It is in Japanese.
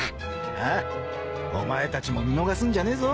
ああお前たちも見逃すんじゃねえぞ。